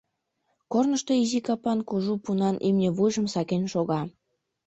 Корнышто изи капан, кужу пунан имне вуйжым сакен шога.